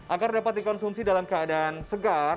agar dapat dikonsumsi dalam keadaan segar